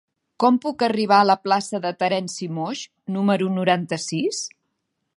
Com puc arribar a la plaça de Terenci Moix número noranta-sis?